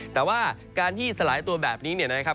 แต่ว่าการที่สลายตัวแบบนี้เนี่ยนะครับ